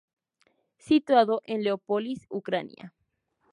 Situado en Leópolis Ucrania.